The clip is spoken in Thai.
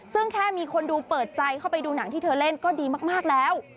ซึ่งแค่มีคนดูเปิดใจเข้าไปดูหนังที่เธอเล่นก็ดีมากแล้ว